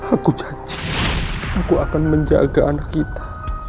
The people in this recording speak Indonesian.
aku janji aku akan menjaga anak kita